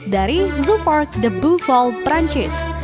dari zoo park de beauval perancis